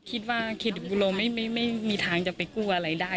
คิดว่าคิดว่าไม่มีทางจะไปกู้อะไรได้